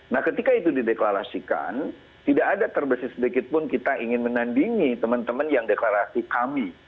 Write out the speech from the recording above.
nah ketika itu dideklarasikan tidak ada terbersih sedikitpun kita ingin menandingi teman teman yang deklarasi kami